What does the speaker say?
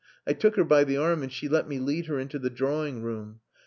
I took her by the arm, and she let me lead her into the drawing room.